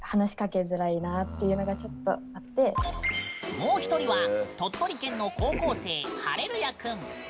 もう一人は鳥取県の高校生、ハレルヤくん。